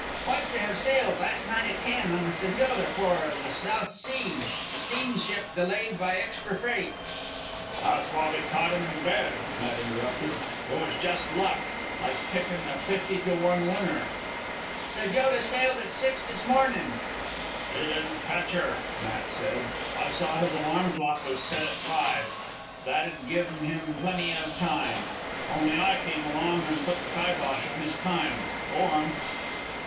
"Was to have sailed last night at ten on the Sajoda for the South Seas steamship delayed by extra freight " "That's why we caught 'm in bed," Matt interrupted. "It was just luck like pickin' a fifty to one winner." "Sajoda sailed at six this mornin' " "He didn't catch her," Matt said. "I saw his alarm clock was set at five. That'd given 'm plenty of time... only I come along an' put the kibosh on his time. Go on."